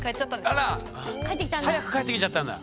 早く帰ってきちゃったんだ。